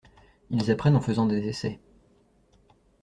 Ils apprennent en faisant des essais.